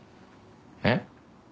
えっ？